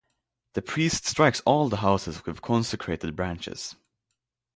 The priest strikes all the houses with consecrated branches.